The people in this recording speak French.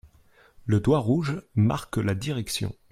Le doigt rouge marque la direction.